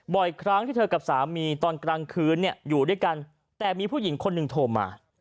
บ่อยครั้งที่เธอกับสามีตอนกลางคืนเนี่ยอยู่ด้วยกันแต่มีผู้หญิงคนหนึ่งโทรมา